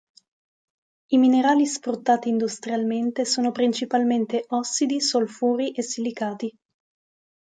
I minerali sfruttati industrialmente sono principalmente ossidi, solfuri e silicati.